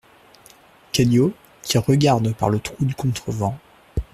CADIO, qui regarde par le trou du contrevent.